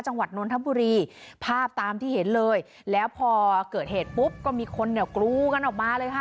จังหวัดนนทบุรีภาพตามที่เห็นเลยแล้วพอเกิดเหตุปุ๊บก็มีคนเนี่ยกรูกันออกมาเลยค่ะ